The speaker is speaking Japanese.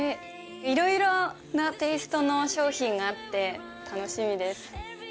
いろいろなテイストの商品があって楽しみです。